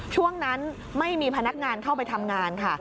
ช่วงนั้นไม่มีพนักงานเข้าไปทำงานค่ะ